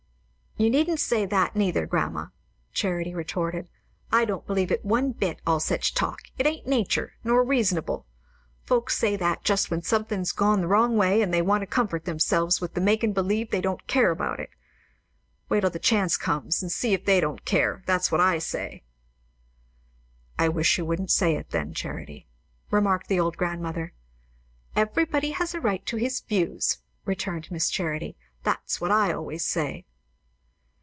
"You needn't say that, neither, grandma," Charity retorted. "I don't believe it one bit, all such talk. It ain't nature, nor reasonable. Folks say that just when somethin's gone the wrong way, and they want to comfort themselves with makin' believe they don't care about it. Wait till the chance comes, and see if they don't care! That's what I say." "I wish you wouldn't say it, then, Charity," remarked the old grandmother. "Everybody has a right to his views," returned Miss Charity. "That's what I always say."